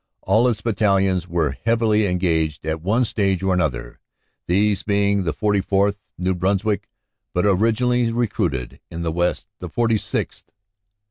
All its battalions were heavily engaged at one stage or another, these being the 44th., New Brunswick, but originally recruited in the West; the 46th.